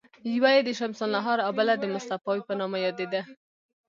یوه یې د شمس النهار او بله د مصطفاوي په نامه یادېده.